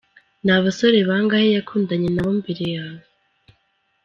Ni abasore bangahe yakundanye nabo mbere yawe.